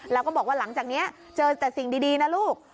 แล้วก็บอกว่าหลังจากนี้เจอแต่สิ่งดีนะลูก